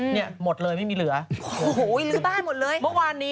นี่หมดเลยไม่มีเหลือหยุดเลยหน่อยหรือบ้านหมดเลยโะ้โหหลือบ้านหมดเลย